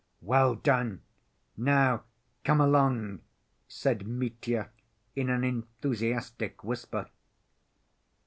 "Well done! Now come along," said Mitya in an enthusiastic whisper.